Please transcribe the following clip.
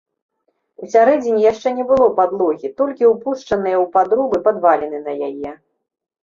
Усярэдзіне яшчэ не было падлогі, толькі ўпушчаныя ў падрубы падваліны на яе.